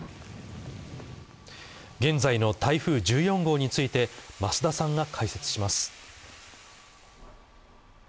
現在の台風１４号について増田さんが解説します。